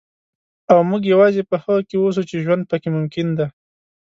او موږ یوازې په هغه کې اوسو چې ژوند پکې ممکن دی.